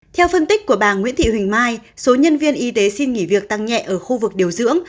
theo phân tích của bà nguyễn thị huỳnh mai số nhân viên y tế xin nghỉ việc tăng nhẹ ở khu vực điều dưỡng